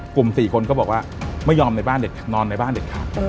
กลุ่มสี่คนก็บอกว่าไม่ยอมนอนในบ้านเด็ดขาด